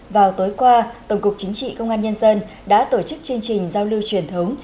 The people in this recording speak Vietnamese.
vào tối qua tổng cục chính trị công an nhân dân đã tổ chức chương trình giao lưu truyền thống